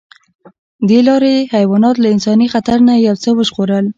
دې لارې حیوانات له انساني خطر نه یو څه وژغورل.